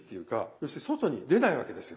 要するに外に出ないわけですよ。